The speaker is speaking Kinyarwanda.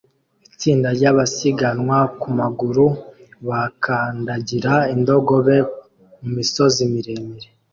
Itsinda ryabasiganwa ku maguru bakandagira indogobe mu misozi miremire